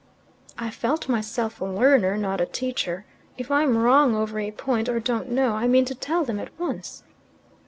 "I felt myself a learner, not a teacher. If I'm wrong over a point, or don't know, I mean to tell them at once."